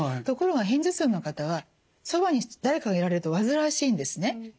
ところが片頭痛の方はそばに誰かがいられると煩わしいんですね。